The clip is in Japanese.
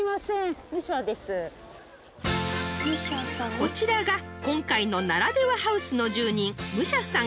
［こちらが今回の「ならではハウス」の住人武者さん。